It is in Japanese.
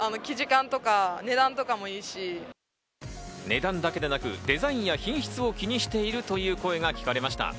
値段だけでなく、デザインや品質を気にしているという声が聞かれました。